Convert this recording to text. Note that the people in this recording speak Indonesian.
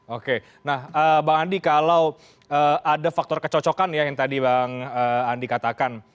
oke nah bang andi kalau ada faktor kecocokan ya yang tadi bang andi katakan